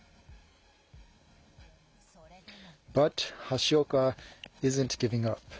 それでも。